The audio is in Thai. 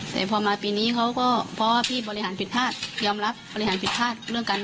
แต่พอมาปีนี้พี่บริหารผิดพลาด